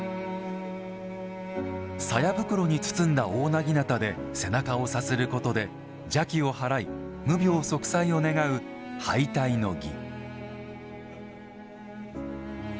鞘袋に包んだ大長刀で背中をさすることで邪気を払い、無病息災を願う拝戴の儀。